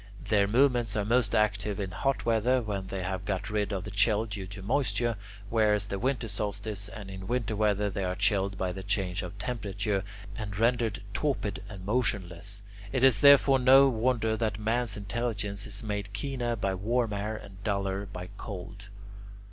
Their movements are most active in hot weather, when they have got rid of the chill due to moisture, whereas at the winter solstice, and in winter weather, they are chilled by the change of temperature, and rendered torpid and motionless. It is therefore no wonder that man's intelligence is made keener by warm air and duller by cold.